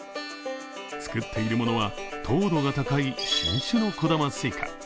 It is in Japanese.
作っているものは、糖度が高い新種の小玉スイカ